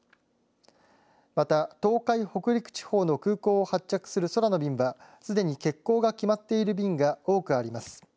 また東海、北陸地方の空港を発着する空の便はすでに欠航が決まっている便が多くあります。